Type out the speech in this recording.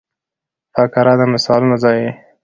فقره د مثالونو ځای يي.